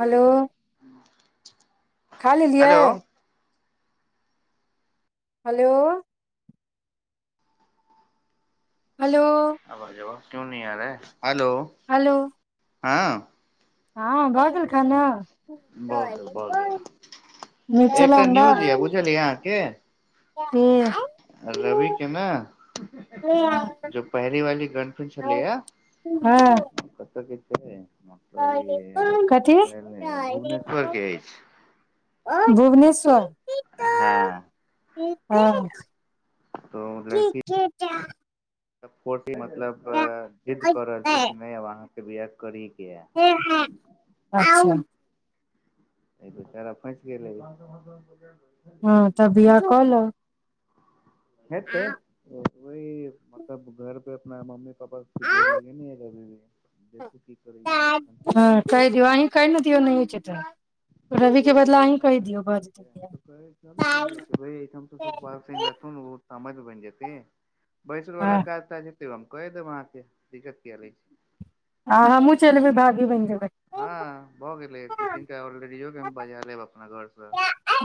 Hello खा लेलियै hello hello hello आबाज आबै क्यो न आ रहा है हलो हेलो हँ हँ भऽ गेल खाना भऽ गेल, भऽ गेल! मीट छलै एकटा न्यूज यऽ, बुझलियै अहाँके हुँ रवि के ने जो पहिरी वाली गन्ठन छलैया कत भऽ कथि गेल भुवनेश्वर के अछि भुभने स्वर हँ हँ तऽ मतलब की चा सपोर्ट इ मतलब जिद्द कऽ रहल छै कि नहि अब बिआह करी के यै ह ह बेचारा फंसी गेलय हँ तब बिआ कऽ ल हेते ओ वहि मतलब घर पे अपना मम्मी जोर लगेने ह रह देखू की करैय एखन कियो नहि छै एतह समझ ने जेतै बियाह। रहै कहे कियै सुखपाल सिंह रहथुन समधी बनि जेतिन बैसरवला हँ काज कैह देब अहाँ कें दिक्कत किया देय छि आ हमूँ चलबी भागी बनि जेबै हँ भऽ गेलै दू तीनटा और लडिजो कऽ बजा लेब अपना घर पर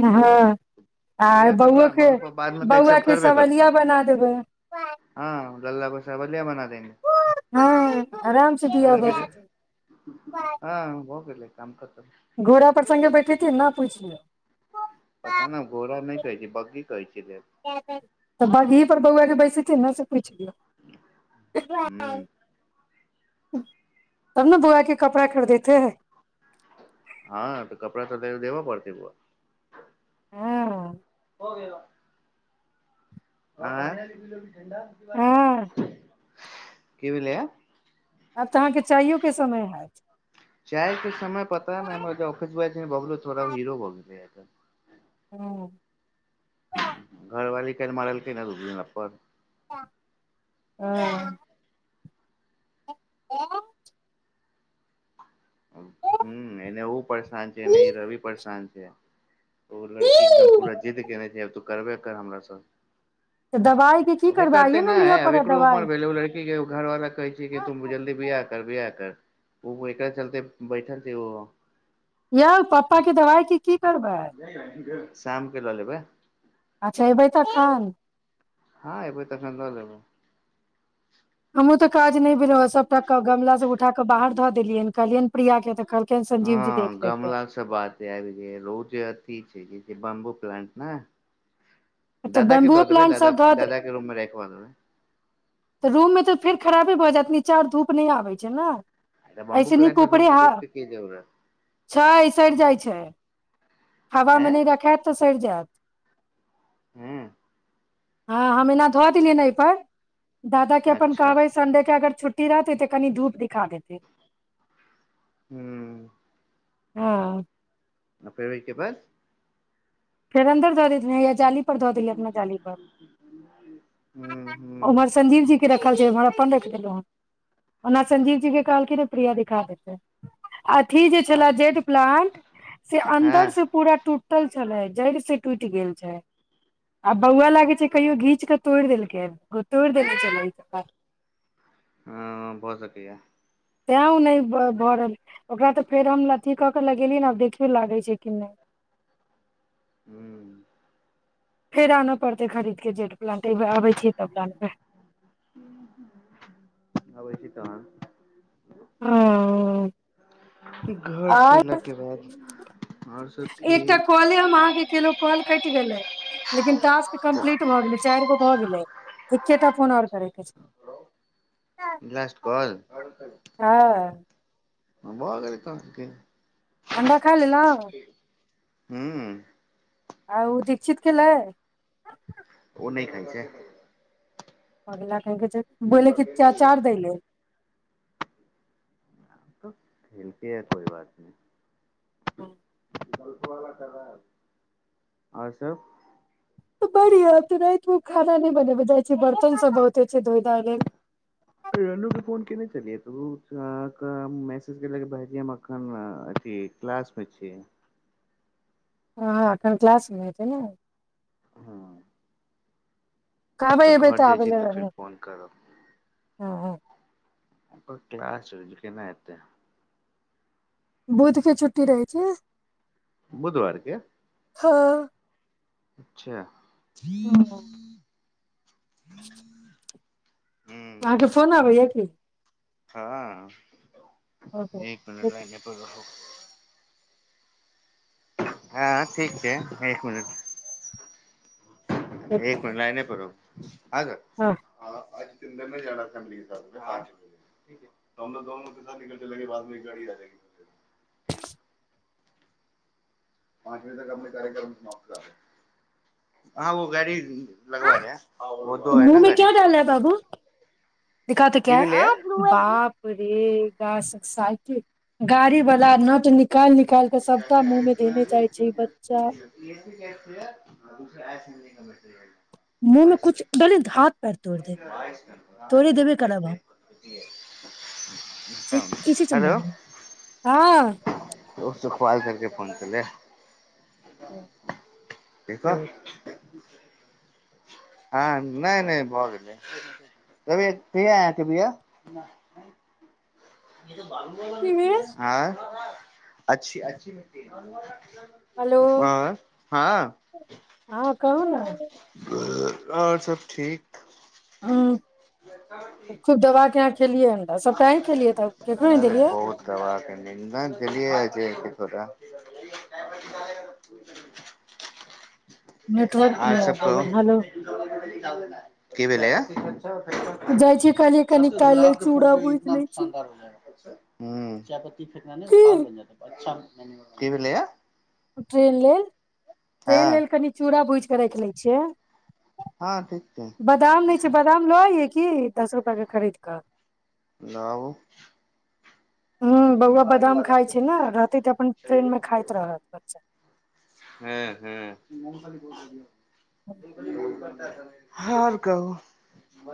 हँ आ सुप्रिया तऽ बौओ कहै के मम्मी पापा बाद मे तऽ बौआ एक्सेप्ट के करबे कर सवलिया तह बना देबै। हँ लला क सबेलिया बना देंगे हँ आराम से हँ धब रवि रे हँ भऽ गेलै काम खतम घोड़ा पर संगे बैठेतीन न पूछि लियौ की कहै छै बगी कहै छै ले त बघी पर बोआ के बैस से थिन ना से पुइछ लियो हूं तब न बोआ के कपड़ा खरीदते हँ तऽ कपड़ा तऽ देब पड़त बुआ हँ हो गया आइ [unintelligible] हँ बात की भेलइय आब तऽ अहाँके चाइयो के समय होत चाय के समय पता ह हम ऑफस बॉज भ गेलथोड़ हीरो भऽ गेलै हू घर बली काइल मारलकै न दू तीन लप्पर हँ ऐ य हु एने उऽ परेशान छै एने ई रवि परेशान छै ओ लड़की एकदम पूरा जीद केने छै तू करबे कर हमरा सँ तऽ दबाइके की करबै आइयए न लिअ पड़त दबाइ लड़की क्याकी ओ घर वला कहै छिय कि तुम जल्दी दियाह कर बियाह कर ओ एक चलते बैठल छैे ओहो यो पपा के दवाइ के की करबै [unintelligible] शामके लऽ लेबै अच्छा अयबै तखन हँ एबै तऽखन ल लेबै त काज नहि भेलै ओ सब ओतयक गमला सब उठाक बाहर धऽ देलियै कहलियै प्रिया के तऽ कहल हँ गमलासँ बाते आ जे रोज अथथि छै ई बम्बू प्लांट ने तऽ दादाके बम्बुओ दऽ देबै प्लांट सब दादा धऽ दे दादाके रूममे राखबा देबै तऽ रूम मे तऽ फेर खराबे भऽ जायत नचार धूप नहि आबैत छै ने बम्बू ऐसे न प्लांट मे कपरे धूप ह धूप के की जरूरत छ सड़ जाइ छै हावा ऐं मने रायत तऽ सरि जायत ह्म हँ हम एना धोआ दिय ने एहि पर दादा के अपन अच्छा कहबै संडे के अगर छुट्टी रहतै तऽ कनि धूप दिखा देते हू हँ न फरवरी के बाद फेर अन्दर दोड़ देने य ह्मँ्म ह्म ह्म लर अपन रख देलहु हँं ओना संजीव जी के कहलखिन ने प्रिया दिखा देते अथी जे छे अच्छा जेड प्लांट से हँ अंन्दर से पूरा टूट पटल चलैइ छै जड़ि से टूटि गेल छै आ बौआ लागे छै कहियो घींच क तोड़ि देलकै तोड़ि देनेे छै ह बहुत शक्रिया तैं ओ नहि भरल ओकरा तऽ फेर हम अथी कऽ कऽ लगेलिय ने आ देखियो लागै छै कि नहि ह्म फेर आना पड़तै खरीद के जेठ पलानटे त तब ओ घरसँ अयलाके बाद आओरसभ ठीक ग है लेकिन टास्क कम्प्लीट भऽ गेलै चारि गो भऽ गेलै एके टा फोन आओर करैके छै ब्लासट कॉल हँ भ गेलए क के अण्डा खा लेल ल ह्म आउ दीक्षित खेल ओ नहि खाइ छै होला क कह बोल की च चार दै ल तऽ खेलतीे है कोइ बात नहि ह्म आस बढ़ तऽ रातिमे खाना नहि बनेबे जाइ छै बर्तन सब बते फर रनू के फोन कने चलियए अहाँके मैसेज केलक भायजी हम एखन अथी क्लासमे छी हँ एखन क्लासमे हेतै ने हँ कहबैबै घर जाइ तऽ छी फेर आै फोन हँ ओ क्लास रह्ये केना एतै बुध के छुट्टी रहै छै बुधवारके हँ अच्छा ह हँ [unintelligible] हूँ अहाँकेँ फोन आबैएा की हँ एक मिनट लाग नहिप हँ ठीक छै एक मिनट एक म लाने पड़ब ह आ स ने जाना फैमिल के साथ प द दोे साथ निकल चले बाद मे गाड़ी आी पाँची तक अपने कार्यक्रम समाप्त हँ गाड़ी लगब ल बो हइ ने गाड़ी दखााते की क्य भेलैया े गा साइकिल गाड़ी वाला न तऽ निकाल निक बच्चा क मुँह में कुछ डाले त इ हाथ पैर तोड़ देब तोड़े देबे करब हम [unintelligible] से किसी से मारेंगे हँ हो ओसँखआाल करकेऽ फोन क ले हँ [unintelligible] हँ नहि नहि भऽ गेलै त क भैय की भेल आँय अच्छी अच्छी म्टी हेलो आ हँ हँ हँ कहू ने आओर सब ठीक ओ खेलियै हमरा सबटा अहीं खेलियै तब केकरो नहि नहि रे देलियै बहुत दवाज जलिय जे क क नेटवर्क आर नहि सबक आबि रहलै हेलो की भेलै य ठ छै जाइ छीय काइल्ह कनि काल लेल के चूड़ा भुज लए छी ह फेकना नहि ओ खाद बन जात ह अच्छा की भेललया ट्रेन ले त लेल कनि चूरा भुज राखि लै छियै हँ ठीक छै बादाम नहि छै बादाम ल की दस रुपआ के खरीद कऽ नउ ह बौआ बादाम खाइ छै ने रहते तऽ अपन ट्रेन में खाइत रहत अच्छा ह ह को क रोज हर कह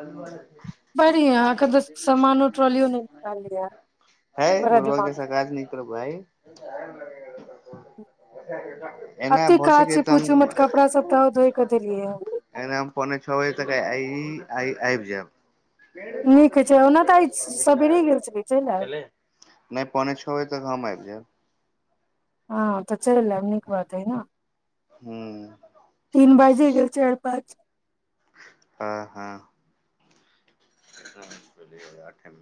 बढ़ि ह एखन तऽ सामानो ट्रलियो नहि निकाललिय है बड़ा दिमाग भइ [inaudible] एते काज छै पूछूमे तऽ कपड़ा सब तऽ धोय कऽ देलियै ह त आइ आ आइब जाब नीक छै ओना तऽ आइ सबेरे गेल छलियै चलि च आयब नहि पौने छओ बजे तक हम आबि जायब हँ तऽ चललैम नीक बात है ने हू तीन बाजिे गेल चारि पाँच हँ हँ अठे म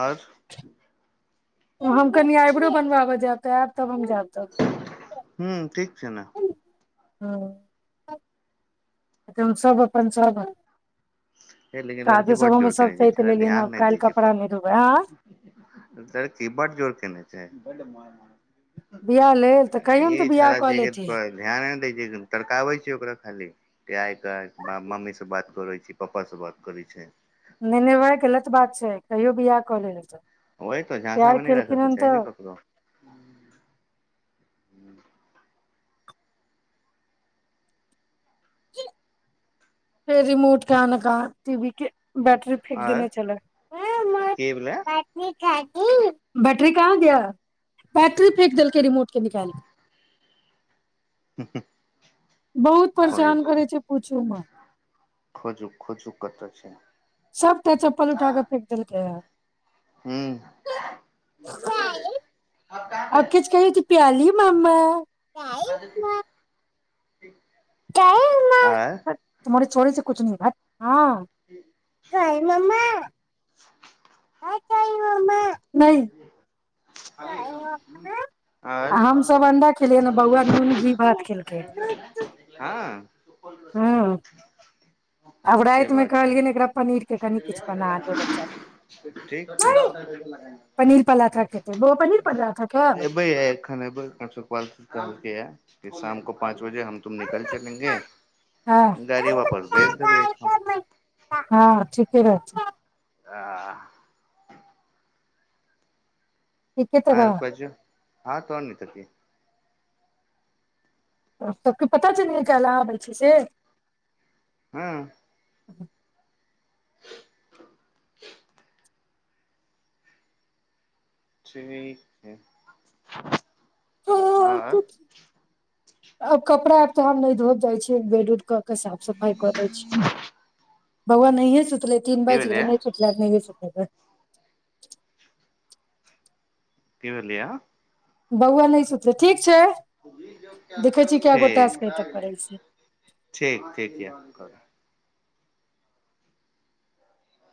आर हम कनि आइबरो बनबाब जाय आयब तब हम तब हू ठीक सेना हँ ए हम सभ अपन सभ लेकिन लड़की बड जोर केने छै सैत इड़ा लेलियै हन ध्यान आब नहि काल्हि दै छै कपड़ा नहि धोबै आँ पापा लड़की बड जोर केने छै बड मायमान बिआाह लेल तऽ कहियौ ने तऽ बिआाह कऽ लेथि तड़कावे छी ओकरा खाली त आ के मम्मी से बात करे छी पापा से बात करै छै नहिने भाय गलत बात छै कहियो भी आ कल नहि त ओहि त झाँसामे नहि रहत त छै ने ककरड़ो कि फेर रिमोट कन कह ी वी के बैटरी फेक आर देने छल के भेलै बैटरी कहाँ गय बैटरी फेक देलकै रिमोट के निकाल ह बहुत परेशान करै छै पूछू मे खोजू खोजू कत छै सबटा चप्पल उठा क फेेक देल ग हूँ आ आँय किछ कहहि प्याली माम अद क आँ छोे छै कछु नहि भात ठ ठीक [unintelligible] त कहिमे हम सब अंडा खेलियै ने बौआ नून घी भात [unintelligible] ह्म आब से रातिमे बात छै कहलियनि एकरा पनीरके कनि किछु बना दे ठीक छै बच्चाके पनीर पलाथा कहते बो पनीर पल रहाथा क अब एबै फर शाम को पाँच जे हम तुम निकल चलेंगे हँ गाड़ी वापस भेज देबैठ के आह ठीके तऽ आर रह पाजू हँ तन न तति सभके पता चल कालहि आबै छै से हँ [inaudible] [inaudible] ठीक छै आंय आब कपड़ा आर तऽ हम नहि धोइब जाइ छियै बेड उड केँ केँ साफ सफाइ कऽ दैत छियै। बौआ नहिए सुत तलै तीन की बाजि भेलै गेलै नहि सुतलै आब नहिये त [inaudible] कि भेलैये बौआ नहि सुतलै ठीक छै देखै छी कए गो ठीक टास्क अय तब करै छी ठीक ठीक य कर